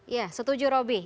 ya setuju roby